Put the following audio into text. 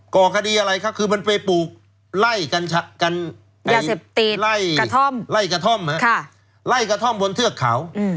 ก่อคดีอะไรค่ะคือมันไปปลูกไล่กระท่อมบนเทือกเขา